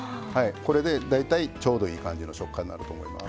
これで大体ちょうどいい感じの食感になると思います。